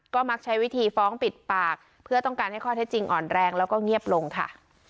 ก็มักใช้วิธีฟ้องปิดปากเพื่อต้องการให้ข้อเท็จจริงอ่อนแรงแล้วก็เงียบลงค่ะ